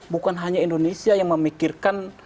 bukan hanya indonesia yang memikirkan